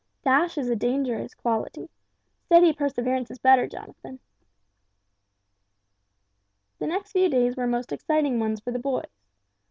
"Dash is a dangerous quality. Steady perseverance is better, Jonathan!" The next few days were most exciting ones for the boys.